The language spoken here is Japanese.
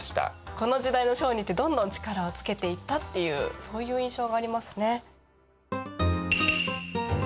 この時代の商人ってどんどん力をつけていったっていうそういう印象がありますね。